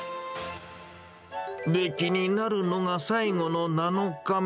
で、気になるのが最後の７日目。